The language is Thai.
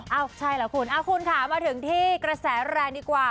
เอ้าใช่เหรอคุณคุณค่ะมาถึงที่กระแสแรงดีกว่า